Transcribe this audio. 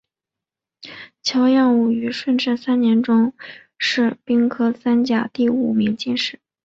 乔映伍于顺治三年中式丙戌科三甲第五名进士。